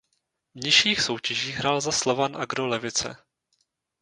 V nižších soutěžích hrál za Slovan Agro Levice.